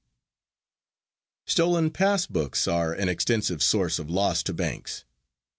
K. Stolen pass books are an extensive source of loss to banks.